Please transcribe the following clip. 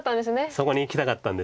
そこにいきたかったんです。